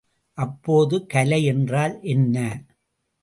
அப்போது கலை என்றால் என்ன?